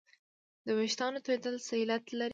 د وېښتانو تویدل څه علت لري